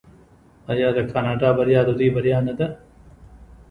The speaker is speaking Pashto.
آیا د کاناډا بریا د دوی بریا نه ده؟